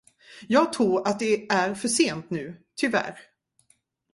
Jag tror att det är för sent nu, tyvärr.